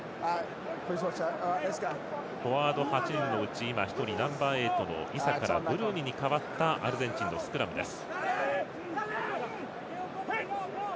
フォワード８人のうちナンバーエイトのイサからブルーニに代わったアルゼンチンのスクラムです。